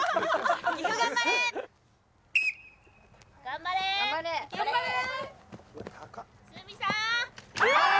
頑張れー！